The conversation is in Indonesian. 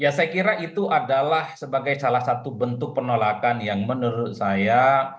ya saya kira itu adalah sebagai salah satu bentuk penolakan yang menurut saya